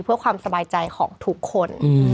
เพื่อความสบายใจของทุกคน